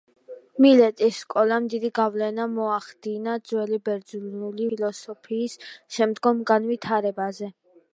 მილეტის სკოლამ დიდი გავლენა მოახდინა ძველი ბერძნული მატერიალისტური ფილოსოფიის შემდგომ განვითარებაზე.